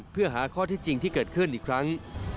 เพื่อหาข้อที่จริงที่เกิดขึ้นอีกครั้ง